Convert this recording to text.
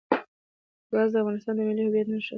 ګاز د افغانستان د ملي هویت نښه ده.